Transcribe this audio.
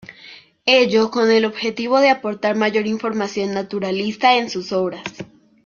Ello con el objetivo de aportar mayor información naturalista en sus obras.